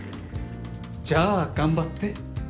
じゃあ頑張って。